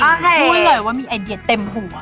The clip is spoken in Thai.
พูดเลยว่ามีไอเดียเต็มหัว